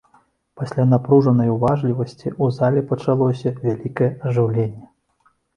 Пасля напружанай уважлівасці ў зале пачалося вялікае ажыўленне.